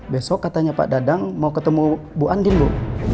besok katanya pak dadang mau ketemu bu andin bu